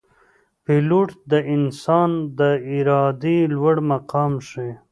پیلوټ د انسان د ارادې لوړ مقام ښيي.